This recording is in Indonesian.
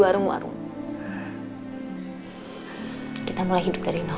baru baru kita mulai hidup dari nol